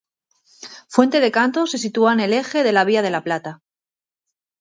Fuente de Cantos se sitúa en el eje de la Vía de la Plata.